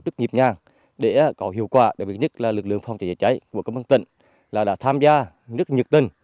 rất nhịp nhàng để có hiệu quả đặc biệt nhất là lực lượng phòng cháy cháy của công an tỉnh đã tham gia rất nhiệt tình